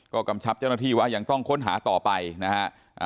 ก็กำชับเจ้าหน้าที่ว่ายังต้องค้นหาต่อไปนะฮะ